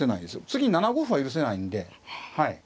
次７五歩は許せないんで。